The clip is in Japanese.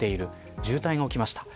渋滞が起きました。